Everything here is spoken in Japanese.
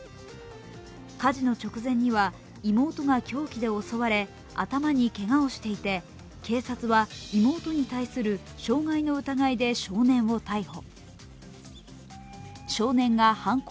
火事の直前には妹が凶器で襲われ、頭にけがをしていて、警察は妹に対する傷害の疑いで少年を逮捕。